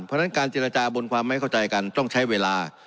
เพราะฉะนั้นการเจรจาบนความไม่เข้าใจกันต้องใช้เวลา